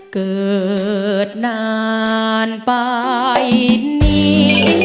เกิดนานไปนี้